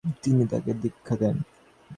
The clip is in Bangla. তিনি তাকে দীক্ষা দেন।